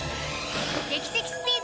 劇的スピード！